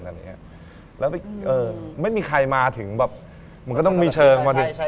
แล้วไม่มีใครมาถึงแบบมันก็ต้องมีเชิงพอดีใช่